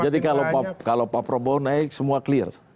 jadi kalau pak prabowo naik semua clear